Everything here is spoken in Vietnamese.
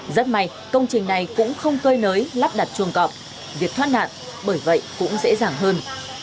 rất may công trình này cũng không cơi nới lắp đặt chuồng cọp việc thoát nạn bởi vậy cũng dễ dàng hơn